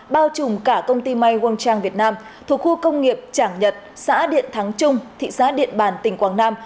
bao trùm cả công ty may wanchang việt nam thuộc khu công nghiệp trảng nhật xã điện thắng trung thị xã điện bản tỉnh quảng nam